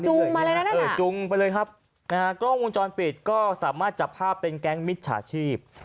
มาเลยนะเออจุงไปเลยครับนะฮะกล้องวงจรปิดก็สามารถจับภาพเป็นแก๊งมิจฉาชีพ